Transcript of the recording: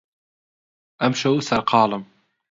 ئەمشەو سەرقاڵم.